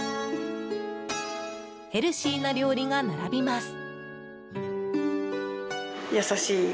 ヘルシーな料理が並びます。